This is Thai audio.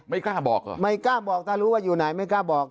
ไม่กล้าบอกเหรอไม่กล้าบอกถ้ารู้ว่าอยู่ไหนไม่กล้าบอก